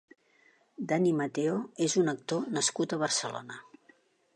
Dani Mateo és un actor nascut a Barcelona.